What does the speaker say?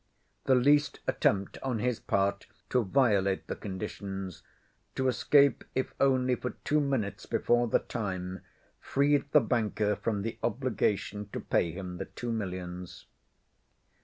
The least attempt on his part to violate the conditions, to escape if only for two minutes before the time freed the banker from the obligation to pay him the two millions.